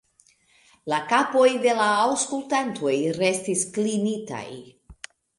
La kapoj de la aŭskultantoj restis klinitaj.